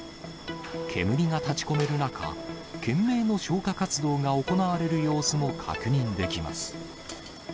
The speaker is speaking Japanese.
煙が立ちこめる中、懸命の消火活動が行われる様子も確認できます。